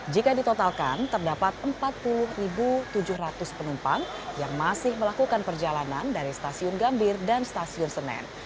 jika ditotalkan terdapat empat puluh tujuh ratus penumpang yang masih melakukan perjalanan dari stasiun gambir dan stasiun senen